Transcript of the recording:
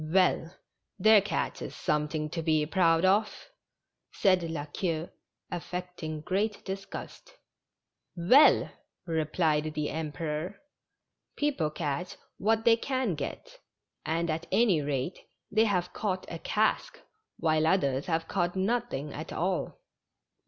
W ell, their catch is something to be proud of," said La Queue, affecting great disgust. ''Well!" replied the Emperor, "people catch what they can get, and at any rate they have caught a cask, while others have caught nothing at all."